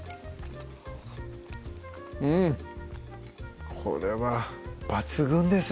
うんこれは抜群ですね